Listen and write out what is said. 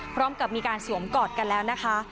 พร้อมกับมีการสวมกอดกันแล้วนะคะ